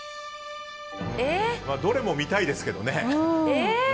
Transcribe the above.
どれも見たいですけどね。